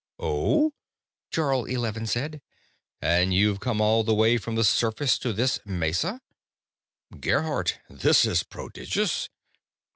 "Oh?" Jarl Eleven said. "And you've come all the way from the surface to this mesa? Gerhardt, this is prodigious.